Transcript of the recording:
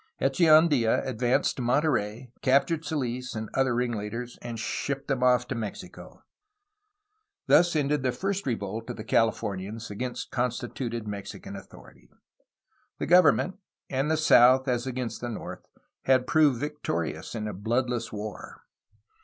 Echeandla advanced to Monterey, captured Soils and other ringlead ers, and shipped them to Mexico. Thus ended the first revolt of the Californians against constituted Mexican authority. The government — and the south as against the north — ^had proved victorious in a bloodless war.